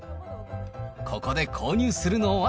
ここで購入するのは。